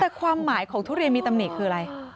แต่ความหมายของทุเรียนมีตำหนิคืออะไร